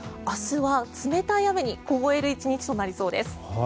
明日は冷たい雨に凍える１日となりそうです。